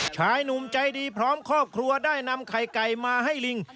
ชายหนุ่มใจดีพร้อมครอบครัวได้นำไข่ไก่มาให้ลิง